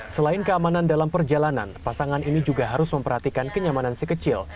selain keamanan dalam perjalanan pasangan ini juga harus memperhatikan kenyamanan si kecil